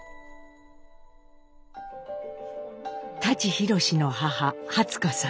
舘ひろしの母初子さん